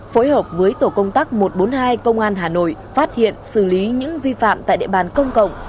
phối hợp với tổ công tác một trăm bốn mươi hai công an hà nội phát hiện xử lý những vi phạm tại địa bàn công cộng